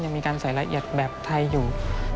มีการใส่ละเอียดแบบไทยอยู่